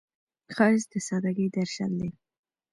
ښایست د سادګۍ درشل دی